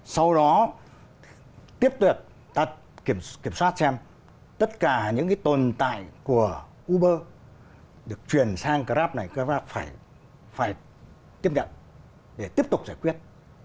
sau đó tiếp tục ta kiểm soát xem tất cả những cái tồn tại của uber được chuyển sang grab này các bác phải tiếp nhận để tiếp tục giải quyết